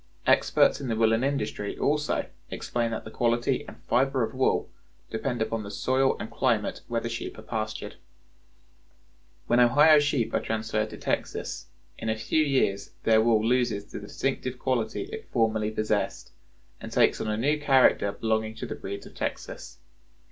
Experts in the woolen industry, also, explain that the quality and fiber of wool depend upon the soil and climate where the sheep are pastured. When Ohio sheep are transferred to Texas, in a few years their wool loses the distinctive quality it formerly possessed, and takes on a new character belonging to the breeds of Texas.